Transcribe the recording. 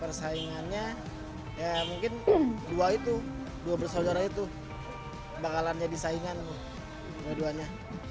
persaingannya ya mungkin dua itu dua bersaudara itu bakalan jadi saingan dua duanya